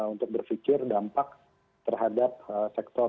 untuk berpikir dampak terhadap sektor